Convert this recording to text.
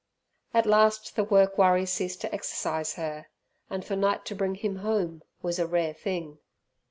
At last the work worry ceased to exercise her, and for night to bring him home was a rare thing.